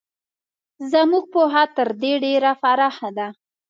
زموږ پوهه تر دې ډېره پراخه ده.